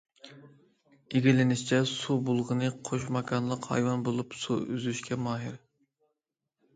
ئىگىلىنىشىچە، سۇ بۇلغۇنى قوش ماكانلىق ھايۋان بولۇپ، سۇ ئۈزۈشكە ماھىر.